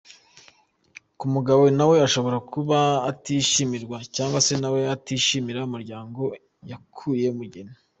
Ku mugabo- Nawe ashobora kuba atishimirwa cyangwa se nawe atishimira umuryango yakuyemo umugeni.